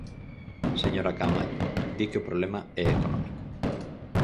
Señora Caamaño, di que o problema é económico.